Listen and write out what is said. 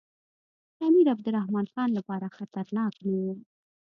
د امیر عبدالرحمن خان لپاره خطرناک نه وو.